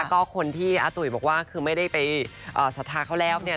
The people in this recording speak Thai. ก็คนที่อาตุ๋ยบอกว่าคือไม่ได้ไปสัทธาเขาแล้ว